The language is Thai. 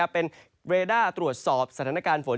เป็นเรด้าตรวจสอบสถานการณ์ฝน